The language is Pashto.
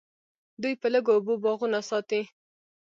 دوی په لږو اوبو باغونه ساتي.